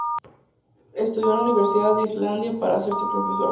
Estudió en la Universidad de Islandia para hacerse profesor.